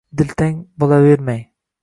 Diltang bo‘lavermang.